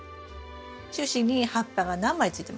主枝に葉っぱが何枚ついてますか？